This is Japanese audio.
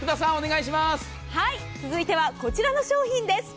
続いてはこちらの商品です。